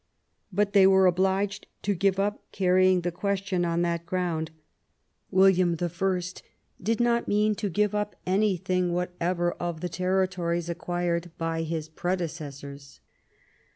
But they were obliged to give up carrying the ques tion on to that ground ; William I did not mean to give up anything whatever of the territories acquired by his predecessors.